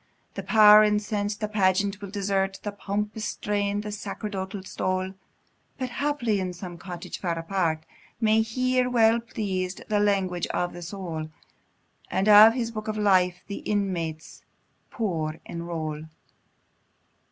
The Power, incens'd, the pageant will desert, The pompous strain, the sacerdotal stole; But haply, in some cottage far apart, May hear, well pleas'd, the language of the soul; And in His Book of Life the inmates poor enroll.